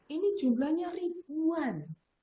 ini jumlahnya ribuan